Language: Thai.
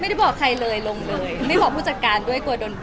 ไม่ได้บอกใครเลยลงเลยไม่บอกผู้จัดการด้วยกลัวโดน